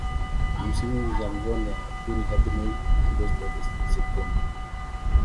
Misimu za mvua ni Aprili hadi Mei na Agosti hadi Septemba.